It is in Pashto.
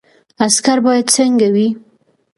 عسکر باید څنګه وي؟